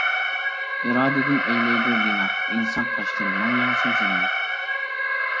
ئىرادىدىن ئەيلەيدۇ بىنا، ئىنسان تاشتىن مىڭ ياڭزا زىننەت.